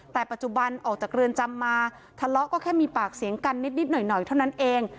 แต่ปัจจุบันออกจากเรือนจำมาทะเลาะก็แค่มีปากเสียงกันนิดหน่อยเท่านั้นเอง